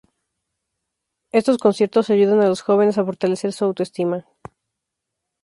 Estos conciertos ayudan a los jóvenes a fortalecer su autoestima.